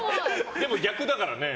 でも逆だからね。